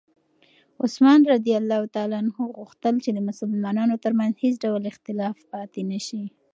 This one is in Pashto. عثمان رض غوښتل چې د مسلمانانو ترمنځ هېڅ ډول اختلاف پاتې نه شي.